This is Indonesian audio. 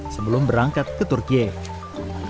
sebelum berangkat ke turkiye